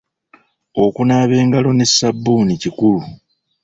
Okunaaba engalo ne ssabbuuni kikulu.